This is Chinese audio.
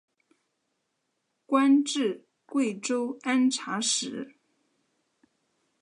官至贵州按察使。